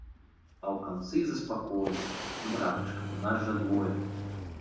А ў канцы заспакойся, братачка, нас жа двое.